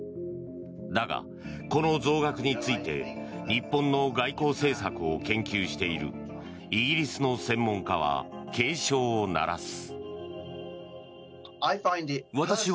だが、この増額について日本の外交政策を研究しているイギリスの専門家は警鐘を鳴らす。